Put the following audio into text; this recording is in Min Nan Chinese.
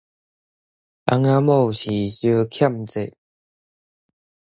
翁仔某是相欠債